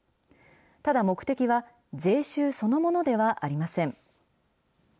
ただ、目的は税収そのものではありません。